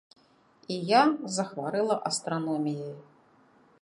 І я захварэла астраноміяй.